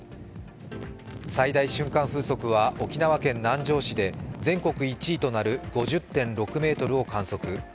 最大瞬間風速は沖縄県南城市で全国１位となる５０．６メートルを観測。